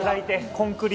コンクリ。